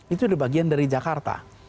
itu sudah bagian dari jakarta